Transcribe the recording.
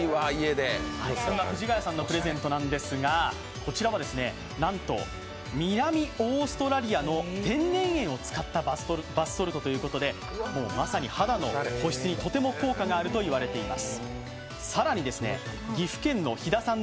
そんな藤ヶ谷さんのプレゼントなんですが、こちらは南オーストラリアの天然塩を使ったバスソルトということでまさに肌の保湿にとても効果があると言われてます。